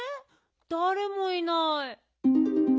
だれもいない。